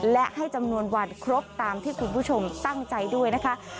และให้จำนวนวันครบตามที่คุณผู้ชมตั้งใจด้วยนะคะ